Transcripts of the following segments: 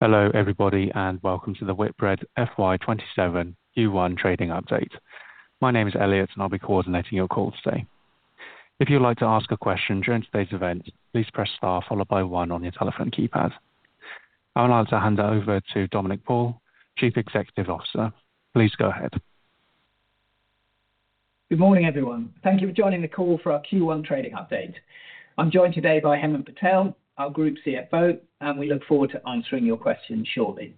Hello everybody, welcome to the Whitbread FY 2027 Q1 trading update. My name is Elliot, I'll be coordinating your call today. If you'd like to ask a question during today's event, please press star followed by one on your telephone keypad. I'll now hand over to Dominic Paul, Chief Executive Officer. Please go ahead. Good morning, everyone. Thank you for joining the call for our Q1 trading update. I'm joined today by Hemant Patel, our Group CFO, we look forward to answering your questions shortly.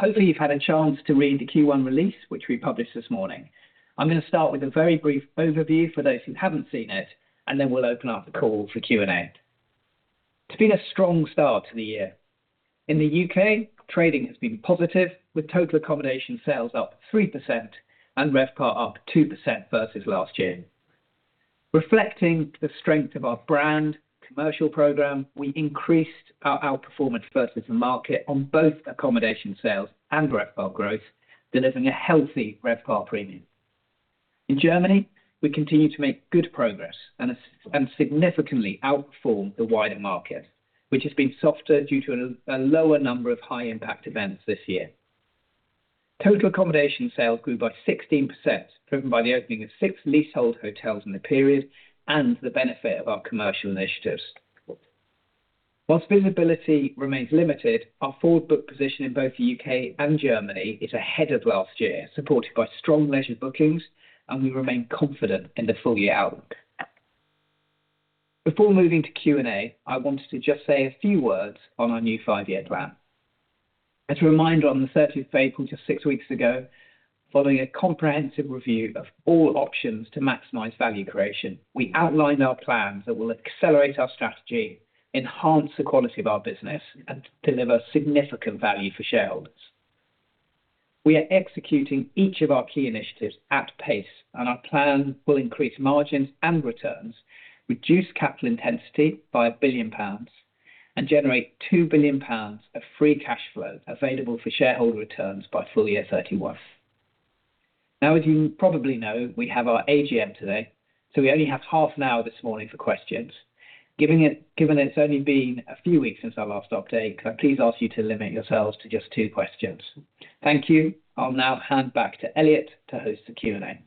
Hopefully, you've had a chance to read the Q1 release, which we published this morning. I'm going to start with a very brief overview for those who haven't seen it, then we'll open up the call for Q&A. It's been a strong start to the year. In the U.K., trading has been positive with total accommodation sales up 3% and RevPAR up 2% versus last year. Reflecting the strength of our brand commercial program, we increased our outperformance versus the market on both accommodation sales and RevPAR growth, delivering a healthy RevPAR premium. In Germany, we continue to make good progress, significantly outperform the wider market, which has been softer due to a lower number of high-impact events this year. Total accommodation sales grew by 16%, driven by the opening of six leasehold hotels in the period and the benefit of our commercial initiatives. Whilst visibility remains limited, our forward book position in both the U.K. and Germany is ahead of last year, supported by strong leisure bookings, we remain confident in the full-year outlook. Before moving to Q&A, I wanted to just say a few words on our new five-year plan. As a reminder, on the 30th of April, just six weeks ago, following a comprehensive review of all options to maximize value creation, we outlined our plans that will accelerate our strategy, enhance the quality of our business, deliver significant value for shareholders. We are executing each of our key initiatives at pace, our plan will increase margins and returns, reduce capital intensity by 1 billion pounds, generate 2 billion pounds of free cash flow available for shareholder returns by FY 2031. As you probably know, we have our AGM today, we only have half an hour this morning for questions. Given it's only been a few weeks since our last update, can I please ask you to limit yourselves to just two questions. Thank you. I'll now hand back to Elliot to host the Q&A.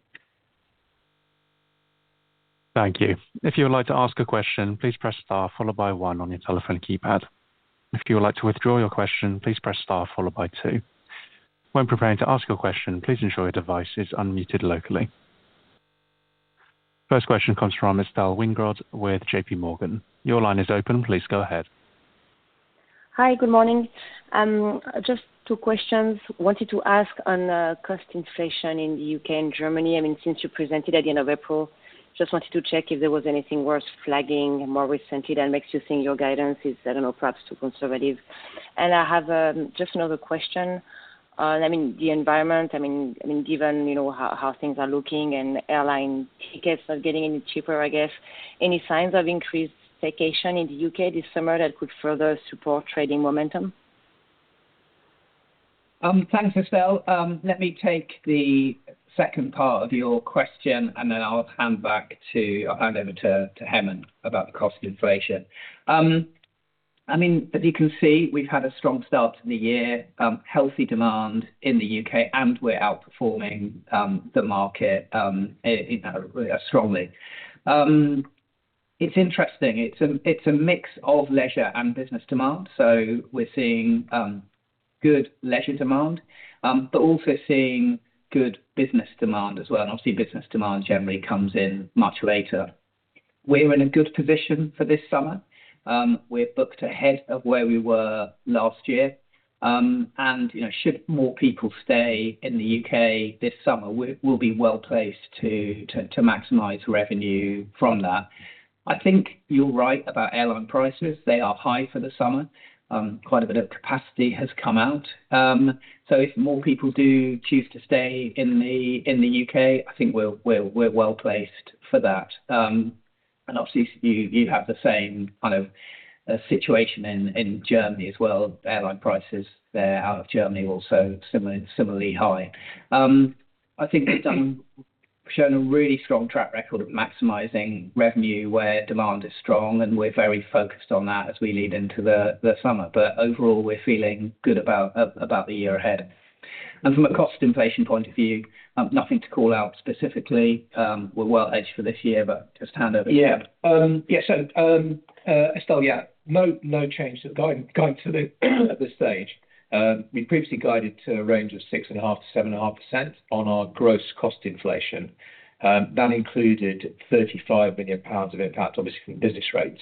Thank you. If you would like to ask a question, please press star followed by one on your telephone keypad. If you would like to withdraw your question, please press star followed by two. When preparing to ask your question, please ensure your device is unmuted locally. First question comes from Estelle Weingrod with JPMorgan. Your line is open. Please go ahead. Hi. Good morning. Just two questions. Wanted to ask on cost inflation in the U.K. and Germany. Since you presented at the end of April, just wanted to check if there was anything worth flagging more recently that makes you think your guidance is, I don't know, perhaps too conservative. I have just another question on the environment. Given how things are looking and airline tickets are getting cheaper, I guess, any signs of increased staycation in the U.K. this summer that could further support trading momentum? Thanks, Estelle. Let me take the second part of your question, then I'll hand over to Hemant about the cost inflation. As you can see, we've had a strong start to the year, healthy demand in the U.K. and we're outperforming the market strongly. It's interesting. It's a mix of leisure and business demand. We're seeing good leisure demand, but also seeing good business demand as well, obviously, business demand generally comes in much later. We're in a good position for this summer. We're booked ahead of where we were last year. Should more people stay in the U.K. this summer, we'll be well-placed to maximize revenue from that. I think you're right about airline prices. They are high for the summer. Quite a bit of capacity has come out. If more people do choose to stay in the U.K., I think we're well-placed for that. Obviously, you have the same kind of situation in Germany as well. Airline prices there, out of Germany, also similarly high. I think we've shown a really strong track record of maximizing revenue where demand is strong, we're very focused on that as we lead into the summer. Overall, we're feeling good about the year ahead. From a cost inflation point of view, nothing to call out specifically. We're well hedged for this year, but just hand over to Hemant. Yeah. Estelle, no change to the guide at this stage. We previously guided to a range of 6.5%-7.5% on our gross cost inflation. That included 35 million pounds of impact, obviously, from business rates,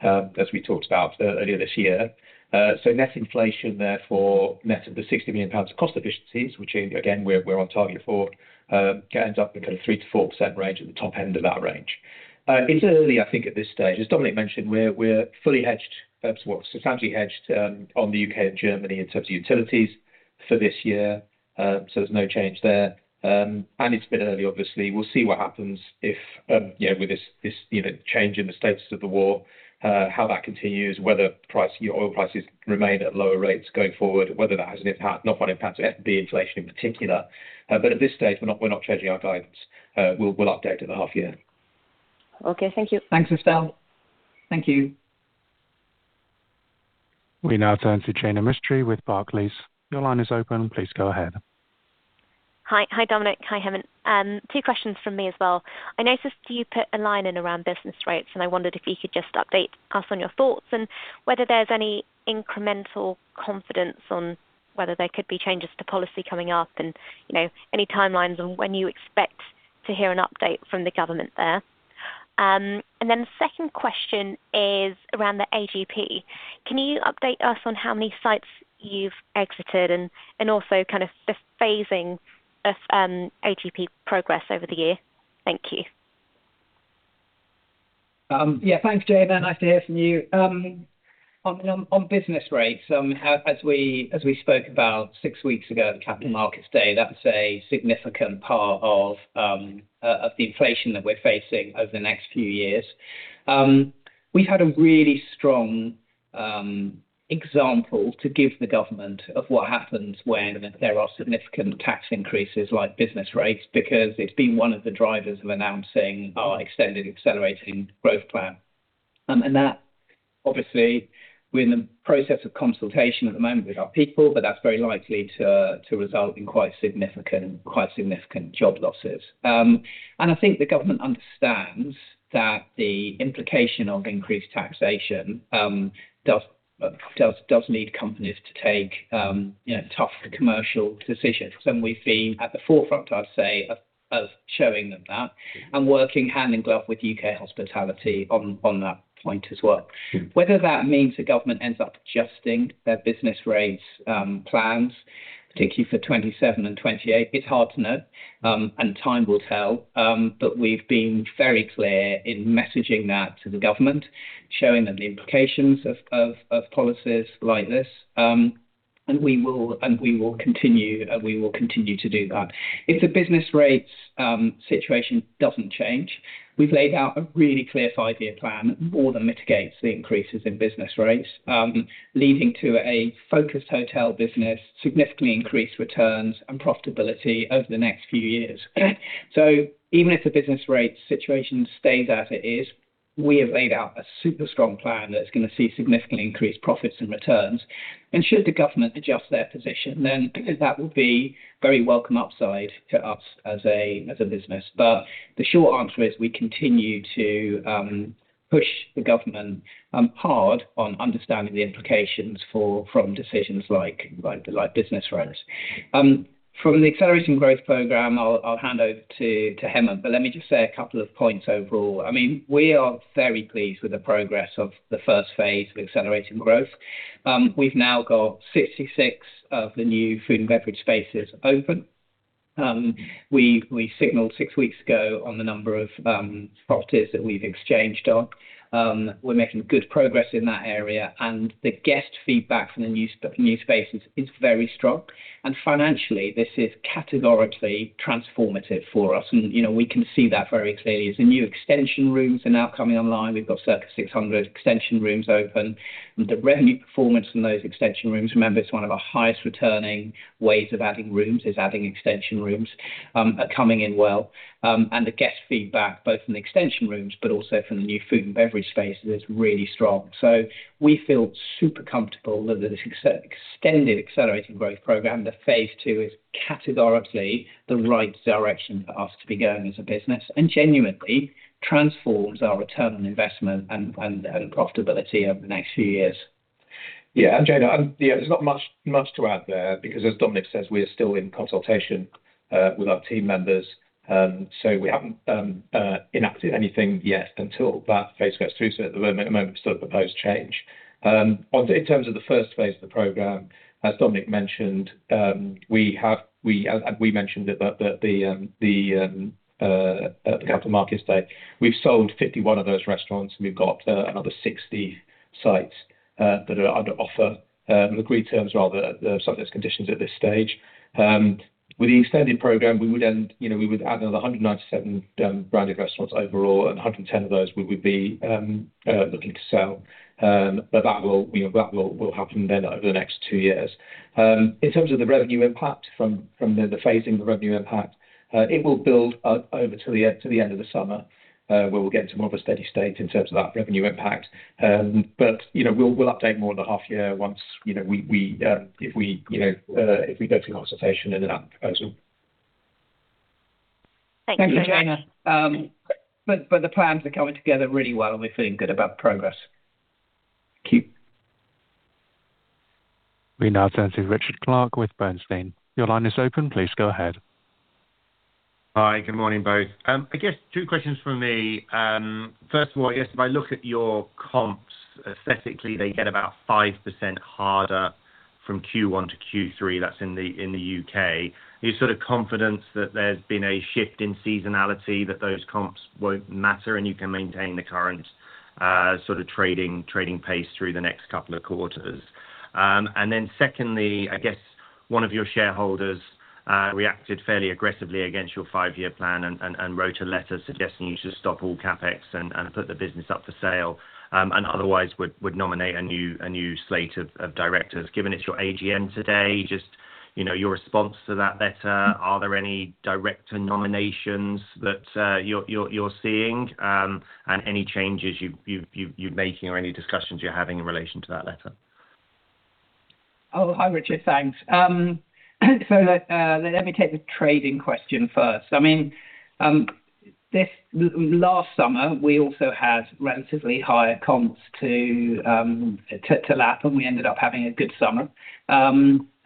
as we talked about earlier this year. Net inflation therefore, net of the 60 million pounds of cost efficiencies, which again, we're on target for, ends up in a 3%-4% range at the top end of that range. It's early, I think, at this stage. As Dominic mentioned, we're fully hedged, well, substantially hedged on the U.K. and Germany in terms of utilities for this year. There's no change there. It's a bit early, obviously. We'll see what happens with this change in the status of the war, how that continues, whether oil prices remain at lower rates going forward, whether that has an impact, not an impact to the inflation in particular. At this stage, we're not changing our guidance. We'll update at the half year. Okay, thank you. Thanks, Estelle. Thank you. We now turn to Jaina Mistry with Barclays. Your line is open. Please go ahead. Hi, Dominic. Hi, Hemant. Two questions from me as well. I noticed you put a line in around business rates, and I wondered if you could just update us on your thoughts and whether there's any incremental confidence on whether there could be changes to policy coming up and any timelines on when you expect to hear an update from the government there. The second question is around the AGP. Can you update us on how many sites you've exited and also the phasing of AGP progress over the year? Thank you. Thanks, Jaina. Nice to hear from you. On business rates, as we spoke about six weeks ago at the Capital Markets Day, that's a significant part of the inflation that we're facing over the next few years. We had a really strong example to give the government of what happens when there are significant tax increases like business rates, because it's been one of the drivers of announcing our extended Accelerating Growth Plan. That obviously, we're in the process of consultation at the moment with our people, but that's very likely to result in quite significant job losses. I think the government understands that the implication of increased taxation does need companies to take tough commercial decisions. We've been at the forefront, I'd say, of showing them that and working hand in glove with UKHospitality on that point as well. Whether that means the government ends up adjusting their business rates plans, particularly for 2027 and 2028, it's hard to know, and time will tell. We've been very clear in messaging that to the government, showing them the implications of policies like this, we will continue to do that. If the business rates situation doesn't change, we've laid out a really clear five-year plan that more than mitigates the increases in business rates, leading to a focused hotel business, significantly increased returns, and profitability over the next few years. Even if the business rates situation stays as it is, we have laid out a super strong plan that is going to see significantly increased profits and returns. Should the government adjust their position, that will be very welcome upside to us as a business. The short answer is we continue to push the government hard on understanding the implications from decisions like business rates. From the Accelerating Growth Program, I'll hand over to Hemant, but let me just say a couple of points overall. We are very pleased with the progress of the first phase of Accelerated Growth. We've now got 66 of the new food and beverage spaces open. We signaled six weeks ago on the number of properties that we've exchanged on. We're making good progress in that area, and the guest feedback from the new spaces is very strong, and financially, this is categorically transformative for us, and we can see that very clearly as the new extension rooms are now coming online. We've got circa 600 extension rooms open. The revenue performance from those extension rooms, remember, it's one of our highest returning ways of adding rooms, is adding extension rooms, are coming in well. The guest feedback, both from the extension rooms, but also from the new food and beverage spaces, is really strong. We feel super comfortable that this extended Accelerating Growth Program, the phase 2, is categorically the right direction for us to be going as a business and genuinely transforms our return on investment and profitability over the next few years. Jaina, there's not much to add there because, as Dominic says, we are still in consultation with our team members. We haven't enacted anything yet until that phase goes through. At the moment, it's still a proposed change. In terms of the first phase of the program, as Dominic mentioned, we mentioned at the Capital Markets Day, we've sold 51 of those restaurants and we've got another 60 sites that are under offer, agreed terms, rather, subject to conditions at this stage. With the extended program, we would add another 197 branded restaurants overall, and 110 of those we would be looking to sell. That will happen then over the next two years. In terms of the revenue impact from the phasing, the revenue impact, it will build over to the end of the summer, where we'll get to more of a steady state in terms of that revenue impact. We'll update more in the half year if we go to consultation in that proposal. Thank you. Thanks, Jaina. The plans are coming together really well, and we're feeling good about progress. We now turn to Richard Clarke with Bernstein. Your line is open. Please go ahead. Hi. Good morning, both. I guess two questions from me. First of all, I guess if I look at your comps, aesthetically, they get about 5% harder from Q1 to Q3. That's in the U.K. Are you confident that there's been a shift in seasonality that those comps won't matter and you can maintain the current trading pace through the next couple of quarters? Secondly, I guess one of your shareholders reacted fairly aggressively against your five-year plan and wrote a letter suggesting you should stop all CapEx and put the business up for sale, and otherwise would nominate a new slate of directors. Given it's your AGM today, just your response to that letter, are there any director nominations that you're seeing, and any changes you're making or any discussions you're having in relation to that letter? Oh, hi, Richard. Thanks. Let me take the trading question first. Last summer, we also had relatively higher comps to lap, and we ended up having a good summer.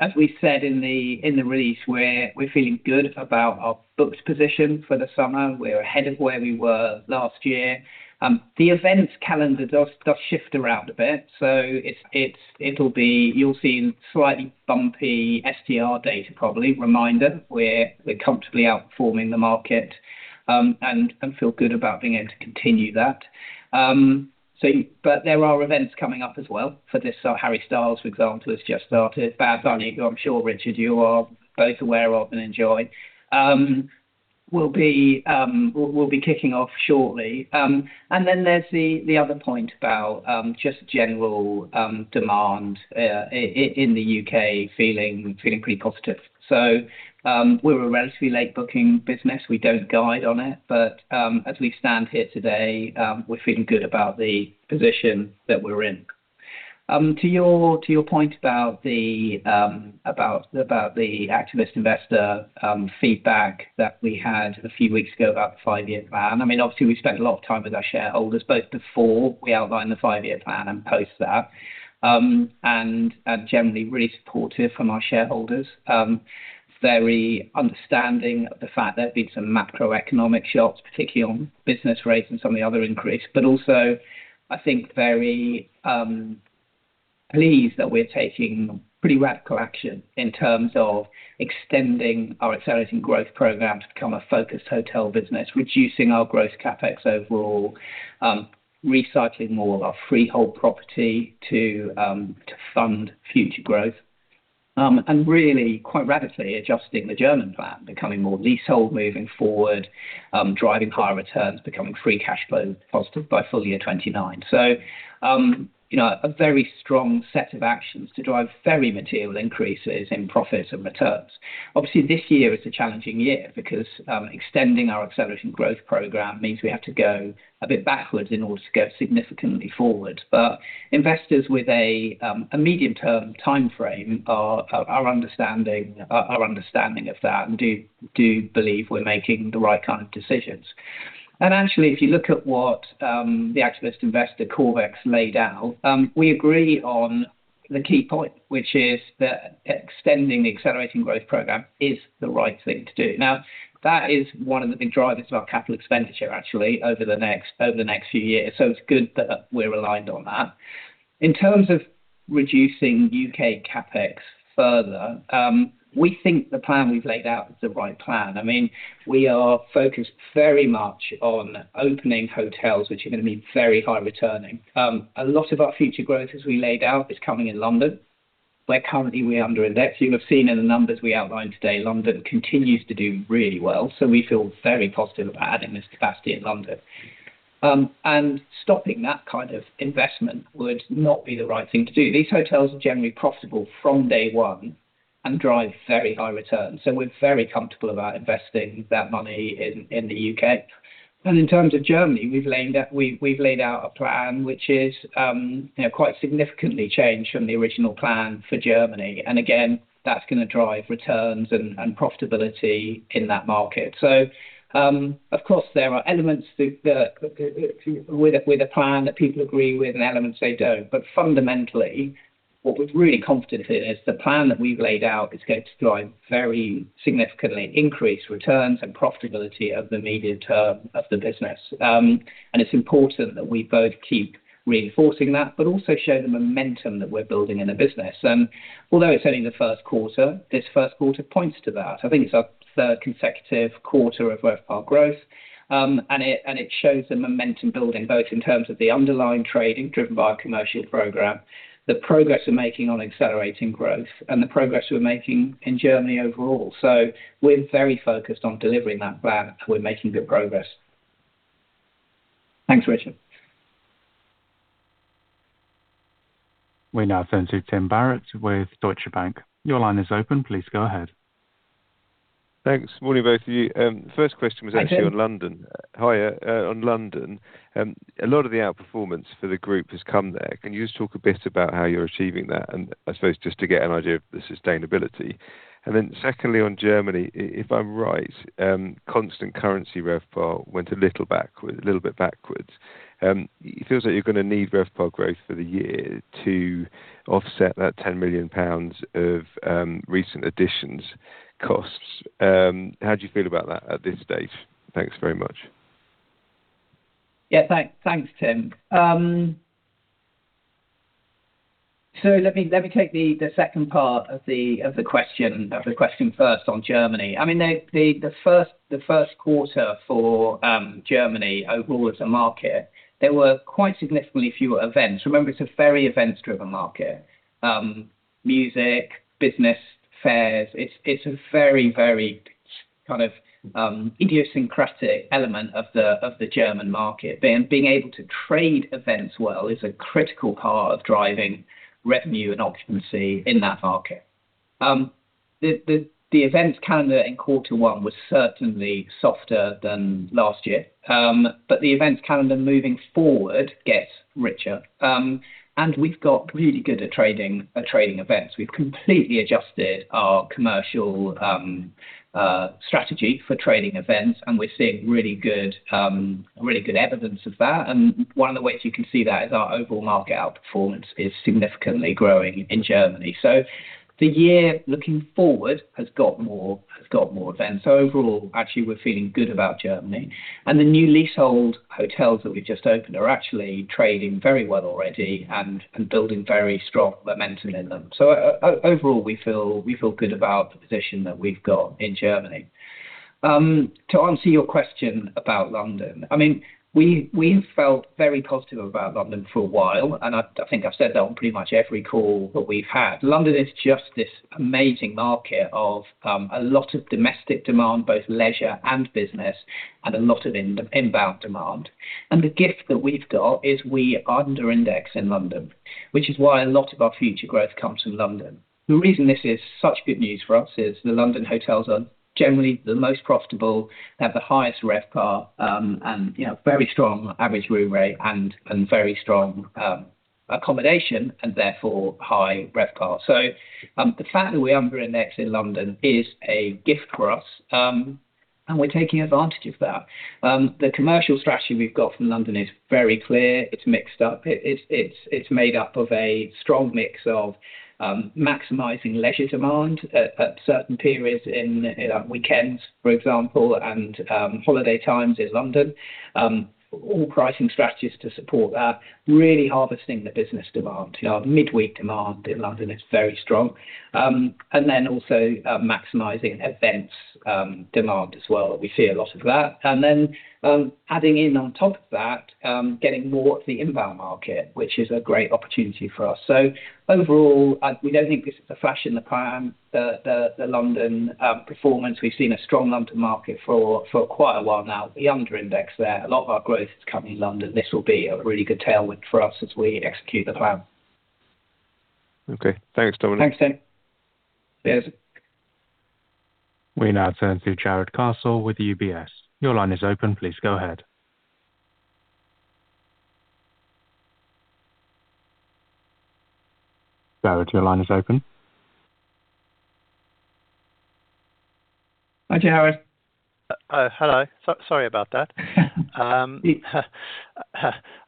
As we said in the release, we're feeling good about our booked position for the summer. We're ahead of where we were last year. The events calendar does shift around a bit. You'll see slightly bumpy STR data, probably reminder, we're comfortably outperforming the market, and feel good about being able to continue that. There are events coming up as well for this. Harry Styles, for example, has just started. Bad Bunny, who I'm sure, Richard, you are both aware of and enjoy, will be kicking off shortly. There's the other point about just general demand in the U.K. feeling pretty positive. We're a relatively late booking business. We don't guide on it. As we stand here today, we're feeling good about the position that we're in. To your point about the activist investor feedback that we had a few weeks ago about the five year plan. Obviously, we spent a lot of time with our shareholders, both before we outlined the five year plan and post that, and generally really supportive from our shareholders. Very understanding of the fact there have been some macroeconomic shocks, particularly on business rates and some of the other increase, but also I think very pleased that we're taking pretty radical action in terms of extending our Accelerating Growth Program to become a focused hotel business, reducing our gross CapEx overall, recycling more of our freehold property to fund future growth. Really, quite radically adjusting the German plan, becoming more leasehold, moving forward, driving higher returns, becoming free cash flow positive by FY 2029. A very strong set of actions to drive very material increases in profit and returns. Obviously, this year is a challenging year because extending our Accelerating Growth Program means we have to go a bit backwards in order to go significantly forward. Investors with a medium-term timeframe are understanding of that and do believe we're making the right kind of decisions. Actually, if you look at what the activist investor, Corvex, laid out, we agree on the key point, which is that extending the Accelerating Growth Program is the right thing to do. Now, that is one of the big drivers of our capital expenditure, actually, over the next few years. It's good that we're aligned on that. In terms of reducing U.K. CapEx further, we think the plan we've laid out is the right plan. We are focused very much on opening hotels, which are going to be very high returning. A lot of our future growth, as we laid out, is coming in London, where currently we're under index. You'll have seen in the numbers we outlined today, London continues to do really well. We feel very positive about adding this capacity in London. Stopping that kind of investment would not be the right thing to do. These hotels are generally profitable from day 1 and drive very high returns. We're very comfortable about investing that money in the U.K. In terms of Germany, we've laid out a plan which is quite significantly changed from the original plan for Germany. Again, that's going to drive returns and profitability in that market. Of course, there are elements with a plan that people agree with and elements they don't. Fundamentally, what we're really confident in is the plan that we've laid out is going to drive very significantly increased returns and profitability of the medium term of the business. It's important that we both keep reinforcing that, but also show the momentum that we're building in the business. Although it's only the first quarter, this first quarter points to that. I think it's our third consecutive quarter of RevPAR growth. It shows the momentum building, both in terms of the underlying trading driven by our commercial program, the progress we're making on accelerating growth, and the progress we're making in Germany overall. We're very focused on delivering that plan, and we're making good progress. Thanks, Richard. We now turn to Tim Barrett with Deutsche Bank. Your line is open. Please go ahead. Thanks. Morning, both of you. First question was actually. Hi, Tim Hi. On London, a lot of the outperformance for the group has come there. Can you just talk a bit about how you're achieving that? I suppose just to get an idea of the sustainability. Secondly, on Germany, if I'm right, constant currency RevPAR went a little bit backwards. It feels like you're going to need RevPAR growth for the year to offset that 10 million pounds of recent additions costs. How do you feel about that at this stage? Thanks very much. Yeah. Thanks, Tim. Let me take the second part of the question first on Germany. The first quarter for Germany overall as a market, there were quite significantly fewer events. Remember, it's a very events-driven market. Music, business fairs. It's a very, very kind of idiosyncratic element of the German market. Being able to trade events well is a critical part of driving revenue and occupancy in that market. The events calendar in Q1 was certainly softer than last year, but the events calendar moving forward gets richer. We've got really good at trading events. We've completely adjusted our commercial strategy for trading events, and we're seeing really good evidence of that. One of the ways you can see that is our overall market outperformance is significantly growing in Germany. The year looking forward has got more events. Overall, actually, we're feeling good about Germany. The new leasehold hotels that we've just opened are actually trading very well already and building very strong momentum in them. Overall we feel good about the position that we've got in Germany. To answer your question about London. We've felt very positive about London for a while, and I think I've said that on pretty much every call that we've had. London is just this amazing market of a lot of domestic demand, both leisure and business, and a lot of inbound demand. The gift that we've got is we under index in London, which is why a lot of our future growth comes from London. The reason this is such good news for us is the London hotels are generally the most profitable, have the highest RevPAR, and very strong average room rate and very strong accommodation and therefore high RevPAR. The fact that we under index in London is a gift for us, and we're taking advantage of that. The commercial strategy we've got from London is very clear. It's mixed up. It's made up of a strong mix of maximizing leisure demand at certain periods in weekends, for example, and holiday times in London. All pricing strategies to support that, really harvesting the business demand. Midweek demand in London is very strong. Also maximizing events demand as well. We see a lot of that. Adding in on top of that, getting more of the inbound market, which is a great opportunity for us. Overall, we don't think this is a flash in the pan, the London performance. We've seen a strong London market for quite a while now. We under index there. A lot of our growth is coming in London. This will be a really good tailwind for us as we execute the plan. Okay. Thanks, Dominic. Thanks, Tim. Cheers. We now turn to Jarrod Castle with UBS. Your line is open. Please go ahead. Jarrod, your line is open. Hi, Jarrod. Hello. Sorry about that. I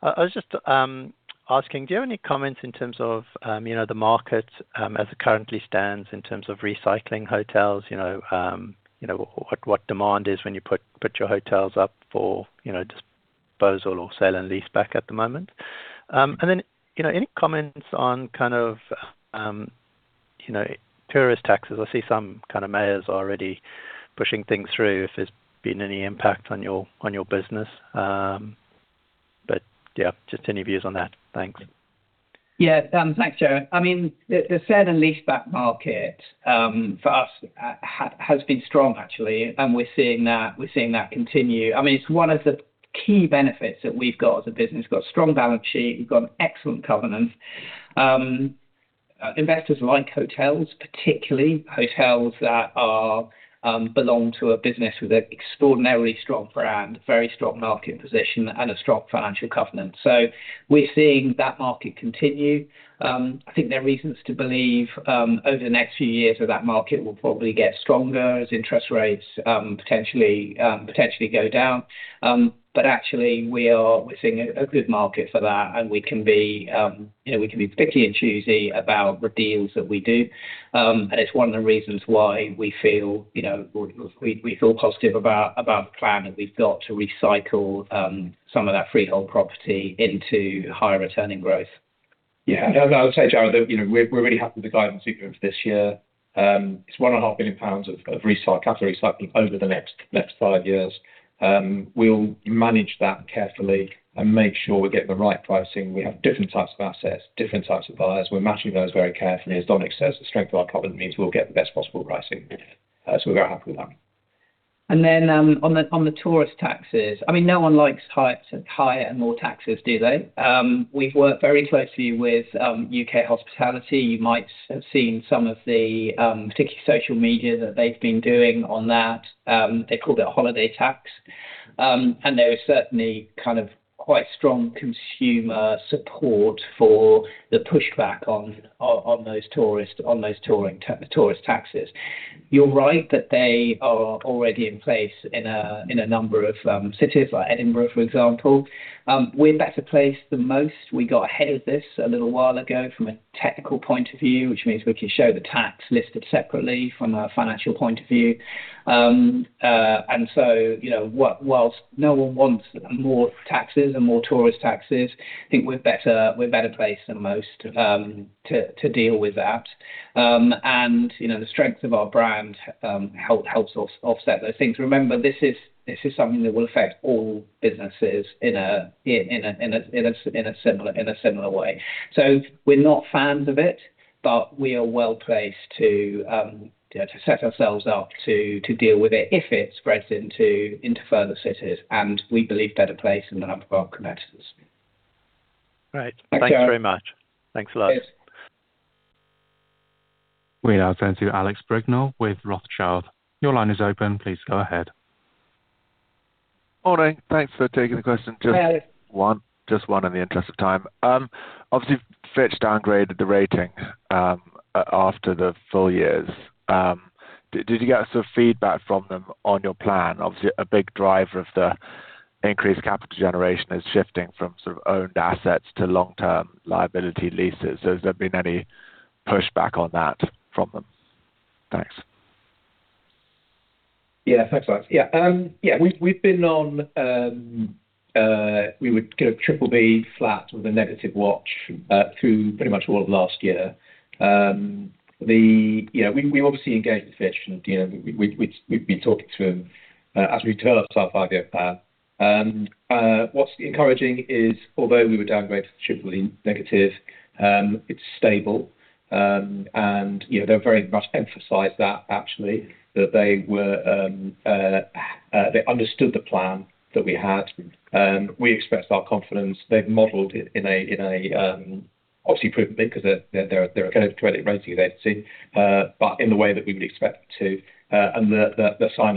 was just asking, do you have any comments in terms of the market as it currently stands in terms of recycling hotels what demand is when you put your hotels up for disposal or sale and lease back at the moment? Any comments on kind of tourist taxes? I see some kind of mayors are already pushing things through, if there's been any impact on your business. Just any views on that. Thanks. Thanks, Jarrod. The sale and leaseback market, for us, has been strong actually, and we're seeing that continue. It's one of the key benefits that we've got as a business. We've got a strong balance sheet, we've got an excellent covenant. Investors like hotels, particularly hotels that belong to a business with an extraordinarily strong brand, very strong market position, and a strong financial covenant. We're seeing that market continue. I think there are reasons to believe, over the next few years, that market will probably get stronger as interest rates potentially go down. Actually, we're seeing a good market for that and we can be picky and choosy about what deals that we do. It's one of the reasons why we feel positive about the plan that we've got to recycle some of that freehold property into higher returning growth. I would say, Jarrod, that we're really happy with the guidance we gave this year. It's 1.5 billion pounds of capital recycling over the next five years. We'll manage that carefully and make sure we get the right pricing. We have different types of assets, different types of buyers. We're matching those very carefully. As Dominic says, the strength of our covenant means we'll get the best possible pricing. We're very happy with that. On the tourist taxes, no one likes higher and more taxes, do they? We've worked very closely with UKHospitality. You might have seen some of the particular social media that they've been doing on that. They called it a holiday tax. There is certainly kind of quite strong consumer support for the pushback on those tourist taxes. You're right that they are already in place in a number of cities like Edinburgh, for example. We're better placed than most. We got ahead of this a little while ago from a technical point of view, which means we can show the tax listed separately from a financial point of view. Whilst no one wants more taxes and more tourist taxes, I think we're better placed than most to deal with that. The strength of our brand helps offset those things. Remember, this is something that will affect all businesses in a similar way. We're not fans of it. We are well-placed to set ourselves up to deal with it if it spreads into further cities, and we believe better placed than a number of our competitors. Great. Okay. Thanks very much. Thanks a lot. Cheers. We now turn to Alex Brignall with Rothschild. Your line is open. Please go ahead. Morning. Thanks for taking the question. Hi, Alex. Just one in the interest of time. Obviously, Fitch downgraded the rating after the full years. Did you get sort of feedback from them on your plan? Obviously, a big driver of the increased capital generation is shifting from sort of owned assets to long-term liability leases. Has there been any pushback on that from them? Thanks. Yeah. Thanks, Alex. Yeah, we would go BBB with a negative watch through pretty much all of last year. We obviously engaged with Fitch. We've been talking to them as we develop our five-year plan. What's encouraging is, although we were downgraded to BBB-, it's stable. They very much emphasized that actually, that they understood the plan that we had. We expressed our confidence. They've modeled it, obviously, prudent because they're a credit rating agency, but in the way that we would expect to. The assigning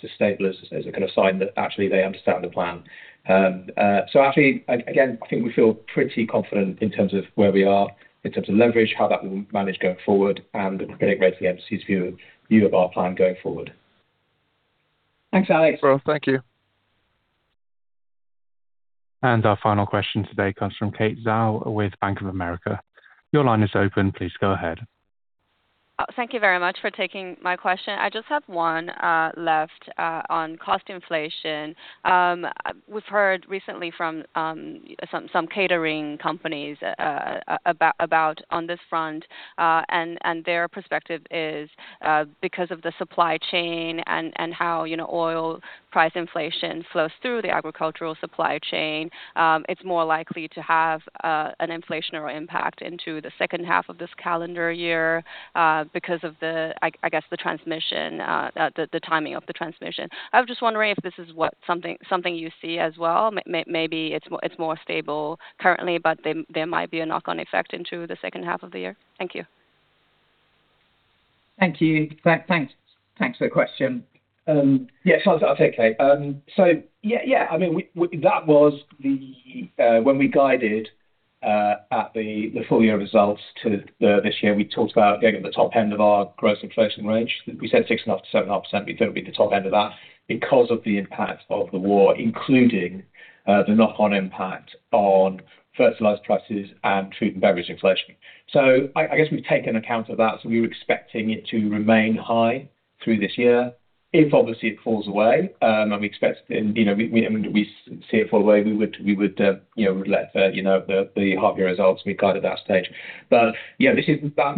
to stable is a kind of sign that actually they understand the plan. Actually, again, I think we feel pretty confident in terms of where we are, in terms of leverage, how that will manage going forward and the credit rating agency's view of our plan going forward. Thanks, Alex. No problem. Thank you. Our final question today comes from Kate Xiao with Bank of America. Your line is open. Please go ahead. Thank you very much for taking my question. I just have one left on cost inflation. We've heard recently from some catering companies about on this front, and their perspective is because of the supply chain and how oil price inflation flows through the agricultural supply chain, it's more likely to have an inflationary impact into the second half of this calendar year because of the, I guess, the timing of the transmission. I was just wondering if this is something you see as well. Maybe it's more stable currently, but there might be a knock-on effect into the second half of the year. Thank you. Thank you. Thanks for the question. Yes, I'll take Kate. When we guided at the full-year results to this year, we talked about going at the top end of our gross inflation range. We said 6.5%-7.5%, we thought it'd be the top end of that because of the impact of the war, including the knock-on impact on fertilizer prices and food and beverage inflation. I guess we've taken account of that. We were expecting it to remain high through this year. If obviously it falls away, and we expect if we see it fall away, we would let the half-year results be guided at that stage. That's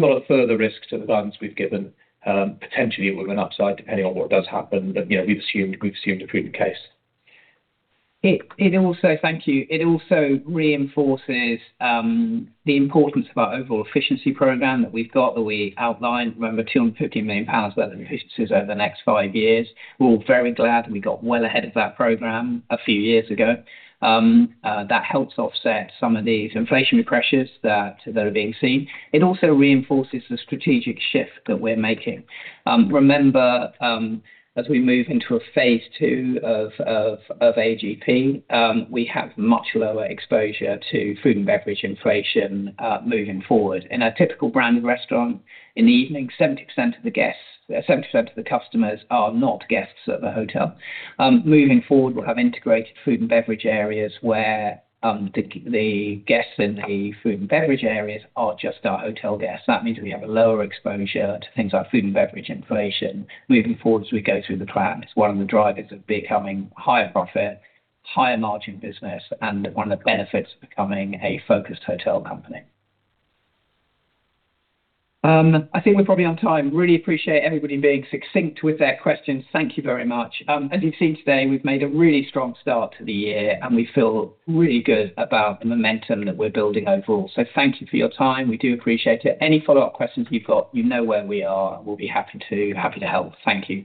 not a further risk to the guidance we've given. Potentially, with an upside, depending on what does happen. We've assumed a prudent case. Thank you. It also reinforces the importance of our overall efficiency program that we've got, that we outlined. Remember, 250 million pounds worth of efficiencies over the next five years. We're all very glad we got well ahead of that program a few years ago. That helps offset some of these inflationary pressures that are being seen. It also reinforces the strategic shift that we're making. Remember, as we move into a phase 2 of AGP, we have much lower exposure to food and beverage inflation moving forward. In a typical branded restaurant, in the evening, 70% of the customers are not guests at the hotel. Moving forward, we'll have integrated food and beverage areas where the guests in the food and beverage areas are just our hotel guests. That means we have a lower exposure to things like food and beverage inflation. Moving forward, as we go through the plan, it's one of the drivers of becoming higher profit, higher margin business, and one of the benefits of becoming a focused hotel company. I think we're probably on time. Really appreciate everybody being succinct with their questions. Thank you very much. As you've seen today, we've made a really strong start to the year, and we feel really good about the momentum that we're building overall. Thank you for your time. We do appreciate it. Any follow-up questions you've got, you know where we are. We'll be happy to help. Thank you.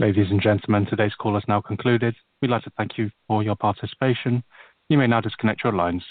Ladies and gentlemen, today's call has now concluded. We'd like to thank you for your participation. You may now disconnect your lines.